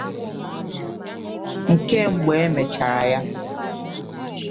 nke mgbe e mechààrà ya